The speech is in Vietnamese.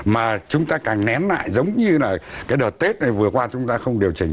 mà chúng ta càng nén lại giống như là cái đợt tết này vừa qua chúng ta không điều chỉnh